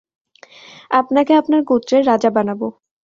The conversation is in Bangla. আপনাকে আপনার গোত্রের রাজা বানাব।